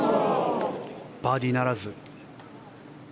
バーディーならず。